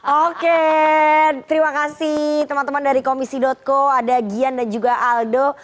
oke terima kasih teman teman dari komisi co ada gian dan juga aldo